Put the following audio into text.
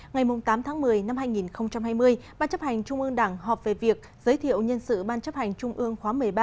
ngày tám tháng một mươi năm hai nghìn hai mươi ban chấp hành trung ương đảng họp về việc giới thiệu nhân sự ban chấp hành trung ương khóa một mươi ba